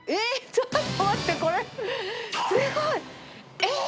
ちょっと待って、これ、すごい。え？